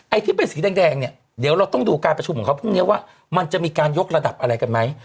ที่เป็นสีแดงเนี่ยเดี๋ยวเราต้องดูการประชุมของเขาพรุ่งนี้ว่ามันจะมีการยกระดับอะไรกันไหม